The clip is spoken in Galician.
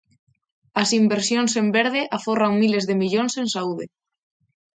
As inversións en verde aforran miles de millóns en saúde.